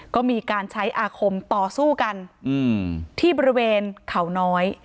ก็มีการใช้อาคมต่อสู้กันที่บริเวณเขาน้อย